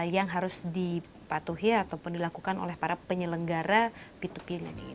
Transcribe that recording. yang harus dipatuhi ataupun dilakukan oleh para penyelenggara p dua p